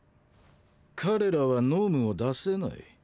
彼らは脳無を出せない。